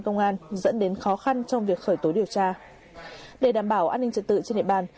công an dẫn đến khó khăn trong việc khởi tối điều tra để đảm bảo an ninh trật tự trên địa bàn